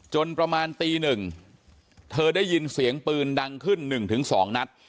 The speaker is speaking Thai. ประมาณตีหนึ่งเธอได้ยินเสียงปืนดังขึ้น๑๒นัด